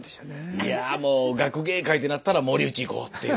いやもう学芸会ってなったら森内いこう！っていう。